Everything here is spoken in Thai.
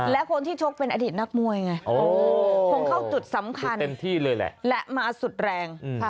และคนที่ชกเป็นอดีตนักมวยไงคงเข้าจุดสำคัญและมาสุดแรง